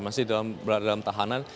masih berada dalam tahanan